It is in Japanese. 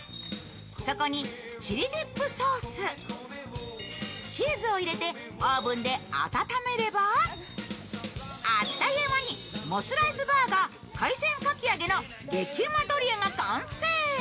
そこにチリディップソース、チーズを入れてオーブンで温めればあっという間にモスライスバーガー海鮮かきあげの激うまドリアが完成。